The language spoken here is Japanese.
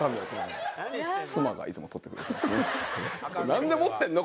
なんで持ってんの？